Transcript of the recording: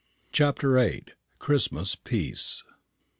CHAPTER VIII. CHRISTMAS PEACE.